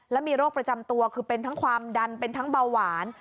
และมีโรคประจำตัวคือเป็นทั้งความดันเป็นทั้งเบาหวาน